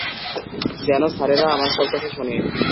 যেন স্যারেরা আমার সব কথা শোনে।